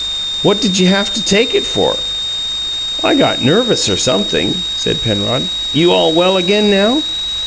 "What did you haf to take it for?" "I got nervous, or sumpthing," said Penrod. "You all well again now?"